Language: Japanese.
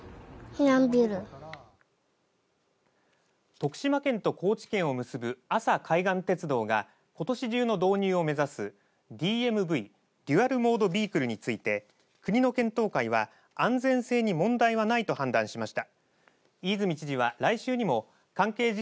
徳島県と高知県を結ぶ阿佐海岸鉄道がことし中の導入を目指すＤＭＶデュアル・モード・ビークルについて国の検討会は、安全性に問題はないと判断しました。